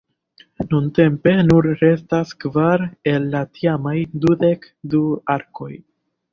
Nuntempe nur restas kvar el la tiamaj dudek du arkoj.